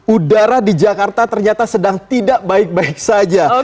udara di jakarta ternyata sedang tidak baik baik saja